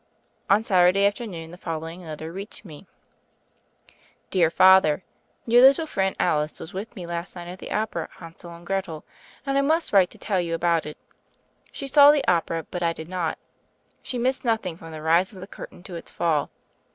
On Saturday afternoon the following letter reached me: "Dear Father: Your little friend Alice was with me last night at the opera 'Hansel and Gretel' ; and I niust write to tell you about it. She saw the opera; but I did not. She missed nothing from the rise of the curtain to its fall.